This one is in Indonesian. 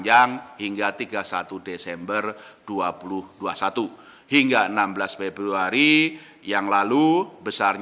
bagaimana juga sudah dijelaskan oleh bumenteri keuangan dan gubernur bi